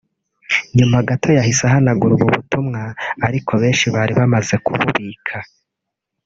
nyuma gato yahise ahanagura ubu butumwa ariko abenshi bari bamaze kububika